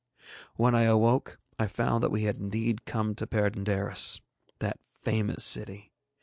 When I awoke I found that we had indeed come to Perd├│ndaris, that famous city.